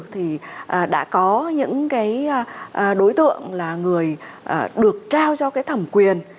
thì đã có những cái đối tượng là người được trao cho cái thẩm quyền